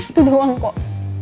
itu doang kok